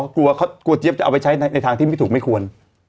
กลัวเจี๊ยบจะเอาไปใช้ในทางที่ไม่ถูกไม่ควร